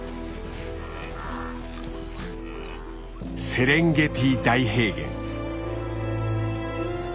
セレンゲティ大平原。